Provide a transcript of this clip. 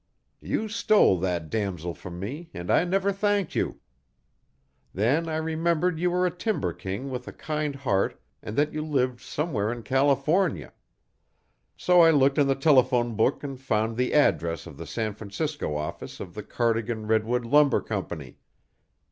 You stole that damsel from me, and I never thanked you. Then I remembered you were a timber king with a kind heart and that you lived somewhere in California; so I looked in the telephone book and found the address of the San Francisco office of the Cardigan Redwood Lumber Company.